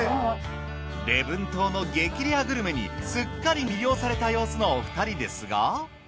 礼文島の激レアグルメにすっかり魅了された様子のお二人ですが。